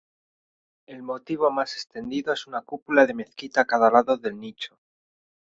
El motivo más extendido es una cúpula de mezquita a cada lado del nicho.